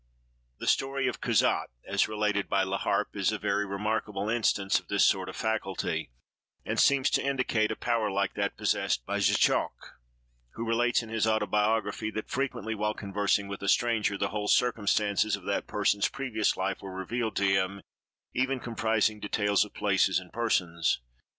The story of Cazotte, as related by La Harpe, is a very remarkable instance of this sort of faculty; and seems to indicate a power like that possessed by Zschokke, who relates, in his autobiography, that frequently while conversing with a stranger, the whole circumstances of that person's previous life were revealed to him, even comprising details of places and persons.